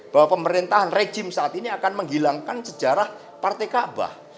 bahwa pemerintahan rejim saat ini akan menghilangkan sejarah partai kaabah